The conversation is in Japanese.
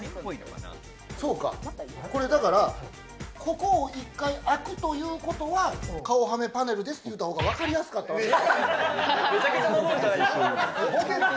これだから、ここ１回開くということは顔はめパネルですって言った方がわかりやすかったのか。